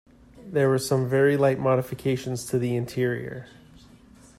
There were some very light modifications to the interior.